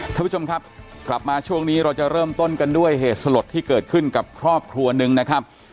ท่านผู้ชมครับกลับมาช่วงนี้เราจะเริ่มต้นกันด้วยเหตุสลดที่เกิดขึ้นกับครอบครัวหนึ่งนะครับ